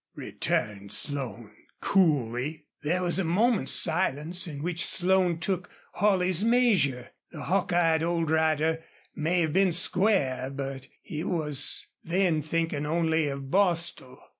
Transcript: returned Slone, coolly. There was a moment's silence, in which Slone took Holley's measure. The hawk eyed old rider may have been square, but he was then thinking only of Bostil.